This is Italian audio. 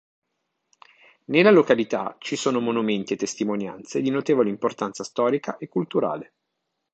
Nella località ci sono monumenti e testimonianze di notevole importanza storica e culturale.